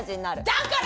だから！